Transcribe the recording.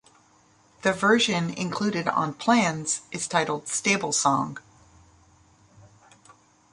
The version included on "Plans" is titled "Stable Song".